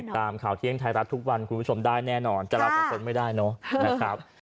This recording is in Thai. ตามข่าวเที่ยงไทยรัฐทุกวันคุณผู้ชมได้แน่นอนจะรับกับคนไม่ได้เนอะนะครับ